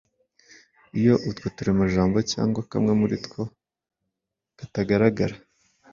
Iyo utwo turemajambo cyangwa kamwe muri two katagaragara